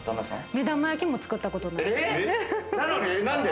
目玉焼きも作ったことない。